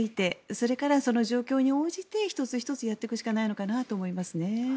それから、その状況に応じて１つ１つ、やっていくしかないのかなと思いますね。